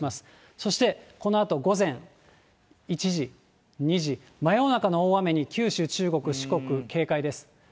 そしてこのあと午前１時、２時、真夜中の大雨に九州、中国、四国、警戒です。